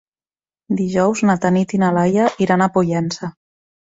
Dijous na Tanit i na Laia iran a Pollença.